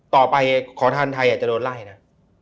ต่อไปขอทานไทยจะโดนไล่นะ